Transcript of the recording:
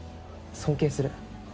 尊敬する。